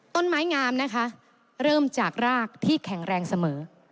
ต้นไม้งามนะคะเริ่มจากรากที่แข็งแรงเสมอ